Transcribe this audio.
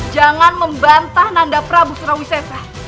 jangan membantah nanda prabu surawisesa